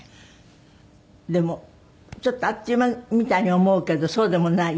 でもちょっとあっという間みたいに思うけどそうでもない？